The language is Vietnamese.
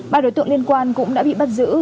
ba đối tượng liên quan cũng đã bị bắt giữ